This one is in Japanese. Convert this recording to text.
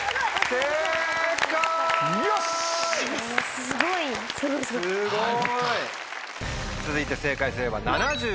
すごい！続いて正解すれば。